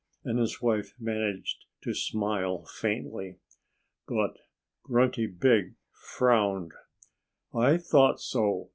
And his wife managed to smile faintly. But Grunty Pig frowned. "I thought so!"